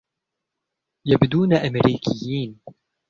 يبدون أمريكيين.